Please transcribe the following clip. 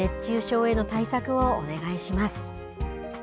熱中症への対策をお願いします。